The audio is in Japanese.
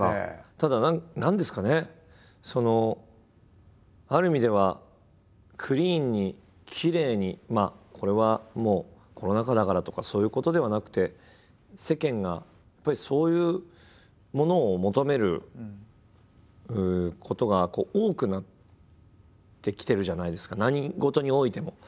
ただ何ですかねある意味ではクリーンにきれいにこれはもうコロナ禍だからとかそういうことではなくて世間がやっぱりそういうものを求めることが多くなってきてるじゃないですか何事においても。